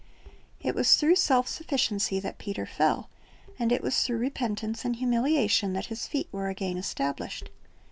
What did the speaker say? It was through self sufficiency that Peter fell; and it was through repentance and humiliation that his feet were again established.